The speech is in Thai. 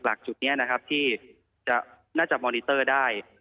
หลักจุดนี้นะครับที่น่าจะมอนิเตอร์ได้